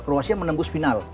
kroasia menenggus final